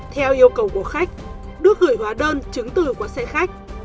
theo yêu cầu của khách đưa gửi hóa đơn chứng từ qua xe khách